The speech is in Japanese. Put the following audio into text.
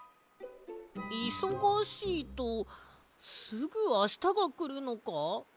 いそがしいとすぐあしたがくるのか？